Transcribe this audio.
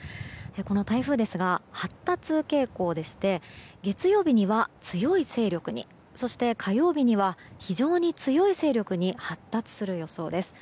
この台風ですが発達傾向でして月曜日には強い勢力にそして、火曜日には非常に強い勢力に発達する予想です。